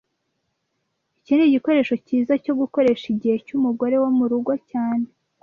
Iki nigikoresho cyiza cyo gukoresha igihe cyumugore wo murugo cyane